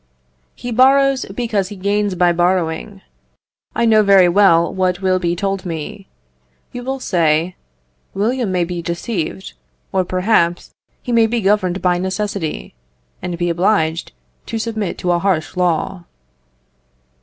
He borrows, because he gains by borrowing. I know very well what will be told me. You will say, William may be deceived, or, perhaps, he may be governed by necessity, and be obliged to submit to a harsh law.